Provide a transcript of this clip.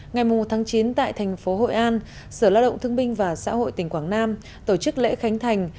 ngày một chín tại thành phố hội an sở lao động thương binh và xã hội tỉnh quảng nam tổ chức lễ khánh thành